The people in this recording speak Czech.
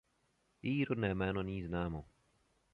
Její rodné jméno není známo.